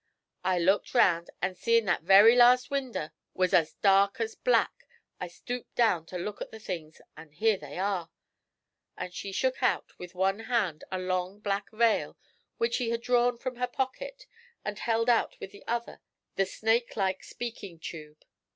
I looked round, and seein' that every last winder was as dark as black, I stooped down to look at the things, an' here they air.' And she shook out with one hand a long black veil which she had drawn from her pocket, and held out with the other the snake like speaking tube.